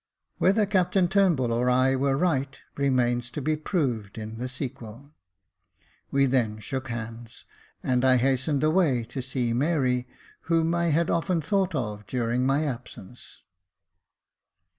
Whether Captain Turnbull or I were right remains to be proved in the sequel. We then shook hands, and I hastened away to see Mary, whom I had often thought of during my absence.